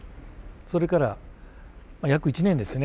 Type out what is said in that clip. それから約１年ですね。